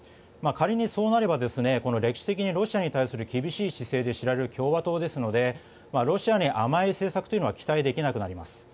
仮にそうなれば、歴史的にロシアに対する厳しい姿勢で知られる共和党ですのでロシアに甘い政策が期待できなくなります。